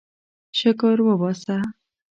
شکر وباسه.